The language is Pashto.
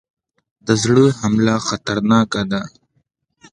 د زړه حمله خطرناکه ده